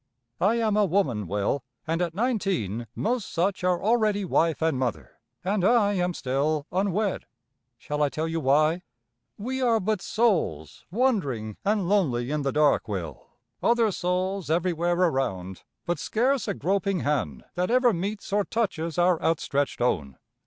"I am a woman, Will, and at nineteen most such are already wife and mother, and I am still unwed. Shall I tell you why? We are but souls wandering and lonely in the dark, Will, other souls everywhere around, but scarce a groping hand that ever meets or touches our outstretched own.